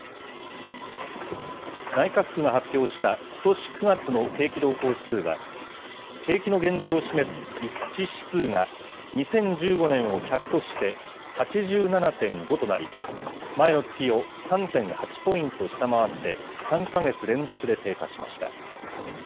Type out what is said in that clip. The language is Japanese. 内閣府が発表したことし９月の景気動向指数は、景気の現状を示す一致指数が、２０１５年を１００として８７．５となり、前の月を３．８ポイント下回って、３か月連続で低下しました。